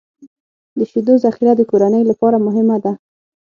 د شیدو ذخیره د کورنۍ لپاره مهمه ده.